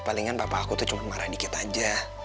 palingan bapak aku tuh cuma marah dikit aja